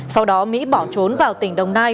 sau đó mỹ bỏ trốn vào tỉnh đồng nai